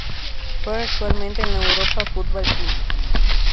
Juega actualmente en la Europa Football Club.